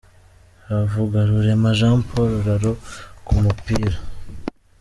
Havugarurema Jean Paul Ralo ku mupira